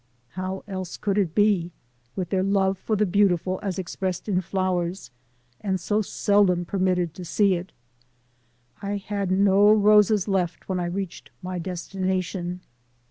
How else could it be, with their love for the beautiful as expressed in flowers, and so seldom permitted to see it ! I had no roses left when I reached my destination.